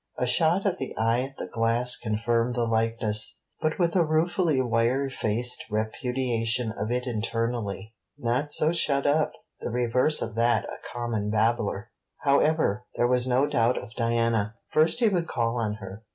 A shot of the eye at the glass confirmed the likeness, but with a ruefully wry faced repudiation of it internally: Not so shut up! the reverse of that a common babbler. However, there was no doubt of Diana. First he would call on her.